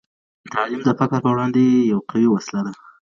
تعلیم د فقر په وړاندې یوه قوي وسله ده.